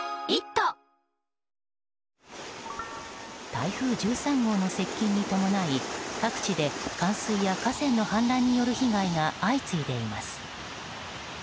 台風１３号の接近に伴い各地で冠水や河川の氾濫による被害が相次いでいます。